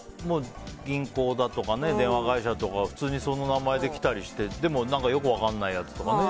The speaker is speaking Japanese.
銀行だとか電話会社とか普通にその名前で来たりしてでもよく分からないやつとかね。